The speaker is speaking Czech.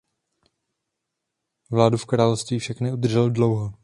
Vládu v království však neudržel dlouho.